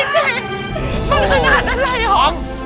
มันราชนานอะไรอ่อม